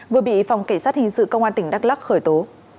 vừa bị phòng kỳ sát hình sự công an tỉnh đắk lắc khởi tố